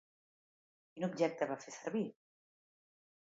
Quin objecte va fer servir?